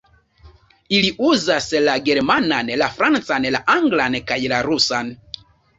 Ili uzas la germanan, la francan, la anglan kaj la rusan.